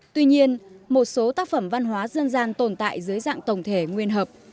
tuy nhiên một số tác phẩm văn hóa dân gian tồn tại dưới dạng tổng thể nguyên hợp